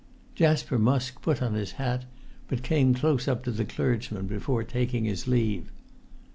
Jasper Musk put on his hat, but came close up to the clergyman before taking his leave.